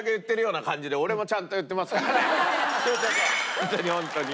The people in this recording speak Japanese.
ホントにホントに。